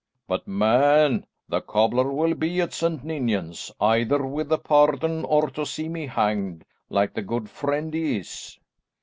"But, man, the cobbler will be at St. Ninians, either with a pardon or to see me hanged, like the good friend he is."